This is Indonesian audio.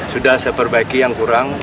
sudah saya perbaiki yang kurang